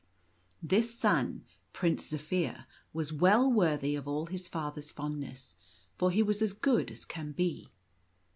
This son, Prince Zaphir, was well worthy of all his father's fondness, for he was as good as can be.